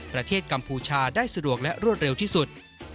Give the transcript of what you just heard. กัมพูชาได้สะดวกและรวดเร็วที่สุด